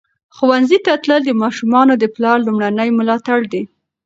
ښوونځي ته تلل د ماشومانو د پلار لومړنی ملاتړ دی.